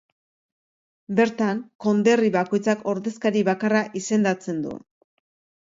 Bertan, konderri bakoitzak ordezkari bakarra izendatzen du.